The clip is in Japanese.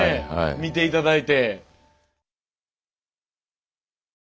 見て頂いて。